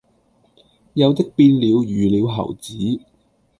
有的變了魚鳥猴子，